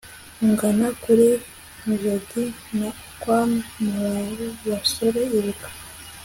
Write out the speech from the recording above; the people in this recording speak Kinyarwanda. ugana kuri njedi na okwame. muraho basore! ibuka